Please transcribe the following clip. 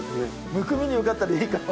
むくみに良かったらいいかも。